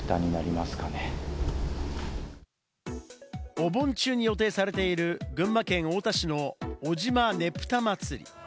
お盆中に予定されている群馬県太田市の尾島ねぷたまつり。